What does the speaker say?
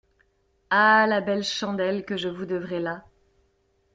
Ah la belle chandelle que je vous devrai là!